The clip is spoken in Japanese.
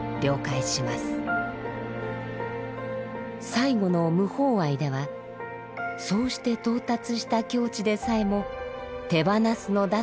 最後の「無法愛」ではそうして到達した境地でさえも手放すのだと確認します。